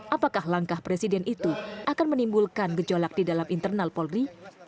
apakah langkah presiden itu akan menimbulkan gejolak di dalam internal polri